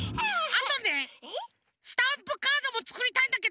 あとねスタンプカードもつくりたいんだけど。